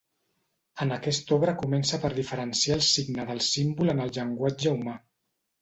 En aquesta obra comença per diferenciar el signe del símbol en el llenguatge humà.